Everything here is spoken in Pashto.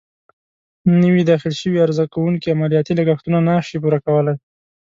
نوي داخل شوي عرضه کوونکې عملیاتي لګښتونه نه شي پوره کولای.